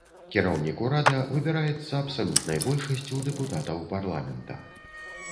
Кіраўнік урада выбіраецца абсалютнай большасцю дэпутатаў парламента.